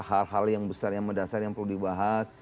hal hal yang besar yang mendasar yang perlu dibahas